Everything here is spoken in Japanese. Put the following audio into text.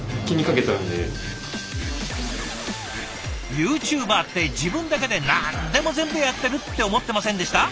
ユーチューバーって自分だけで何でも全部やってるって思ってませんでした？